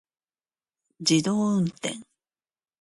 自動運転